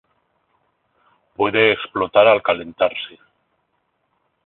Puede explotar al calentarse.